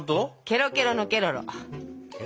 ケロケロのケロロ？